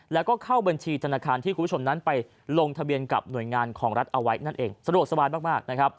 แล้วก็เข้าบัญชีธนาคารที่คุณผู้ชมนั้นไปลงทะเบียนกับหน่วยงานของรัฐเอาไว้นั่นเองสะดวกสบายมากนะครับ